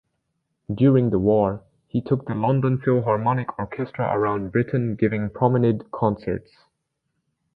During the war, he took the London Philharmonic Orchestra around Britain giving promenade concerts.